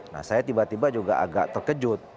nah saya tiba tiba juga agak terkejut